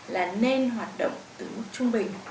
là nên hoạt động từ mức trung bình